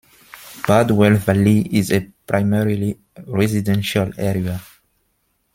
Bardwell Valley is a primarily residential area.